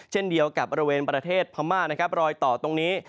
เช่นเดียวกับบริเวณประเทศพม่านะครับรอยต่อตรงนี้